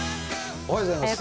おはようございます。